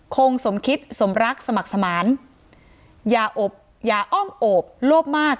คงสมคิดสมรักสมัครสมานอย่าอบอย่าอ้อมโอบโลภมาก